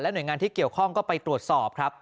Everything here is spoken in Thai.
หน่วยงานที่เกี่ยวข้องก็ไปตรวจสอบครับ